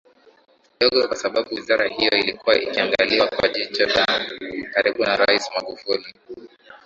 dogo kwa sababu wizara hiyo ilikuwa ikiangaliwa kwa jicho la karibu na Rais Magufuli